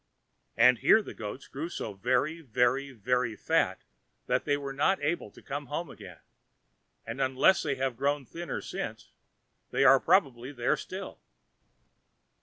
And here the goats grew so very, very, very fat that they were not able to come home again; and, unless they have grown thinner since, they are probably there still.